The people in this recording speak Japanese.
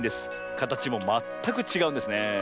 かたちもまったくちがうんですね。